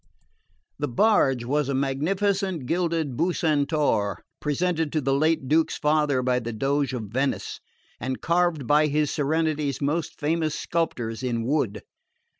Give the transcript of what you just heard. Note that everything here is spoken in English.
The barge was a magnificent gilded Bucentaur, presented to the late Duke's father by the Doge of Venice, and carved by his Serenity's most famous sculptors in wood.